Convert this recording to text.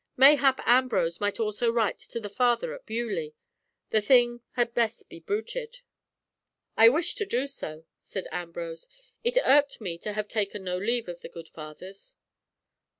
Mayhap Ambrose might also write to the Father at Beaulieu. The thing had best be bruited." "I wished to do so," said Ambrose. "It irked me to have taken no leave of the good Fathers."